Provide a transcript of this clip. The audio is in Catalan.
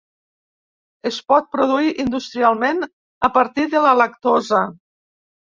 Es pot produir industrialment a partir de la lactosa.